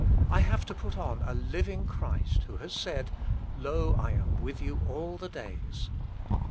I have to put on a living Christ who has said, Lo, I am with you all the days."